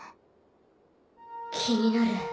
気になる。